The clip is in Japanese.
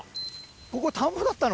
ここ、田んぼだったの？